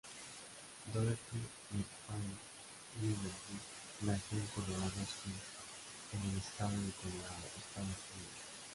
Dorothy Metcalf-Lindenburger nació en Colorado springs, en el estado de Colorado, Estados unidos.